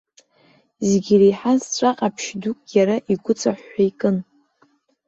Зегь иреиҳаз ҵәаҟаԥшь дук иара игәыҵаҳәҳәа икын.